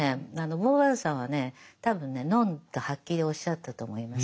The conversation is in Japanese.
ボーヴォワールさんはね多分ねノンとはっきりおっしゃったと思います。